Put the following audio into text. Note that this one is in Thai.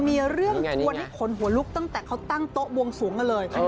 มีเรื่องชวนให้ขนหัวลุกตั้งแต่เขาตั้งโต๊ะบวงสวงกันเลย